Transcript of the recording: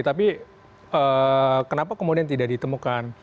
tapi kenapa kemudian tidak ditemukan